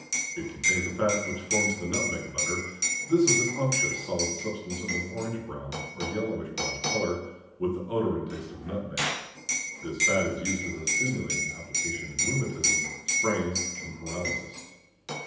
It contains a fat which forms the nutmeg butter; this is an unctuous solid substance of an orange brown or yellowish brown color, with the odor and taste of nutmeg. This fat is used as a stimulating application in rheumatism, sprains, and paralysis.